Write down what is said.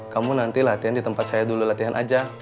kamu nanti latihan di tempat saya dulu latihan aja